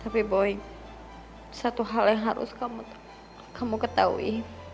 tapi boy satu hal yang harus kamu ketahui